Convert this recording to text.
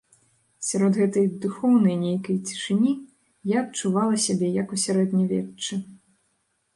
Сярод гэтай, духоўнай нейкай, цішыні я адчувала сябе, як у сярэднявеччы.